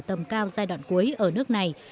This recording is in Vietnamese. tầm cao giai đoạn cuối ở nước này